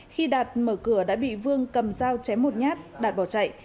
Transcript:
khi đạt mở cửa đã bị vương cầm dao chém một nhát đạt bỏ chạy